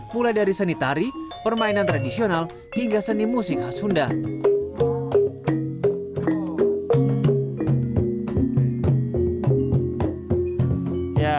mulai dari seni tari permainan tradisional hingga seni musik khas sunda